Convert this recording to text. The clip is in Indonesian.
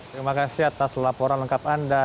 terima kasih atas laporan lengkap anda